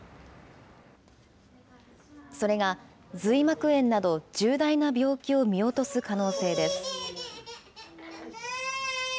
それが髄膜炎など、重大な病気を見落とす可能性です。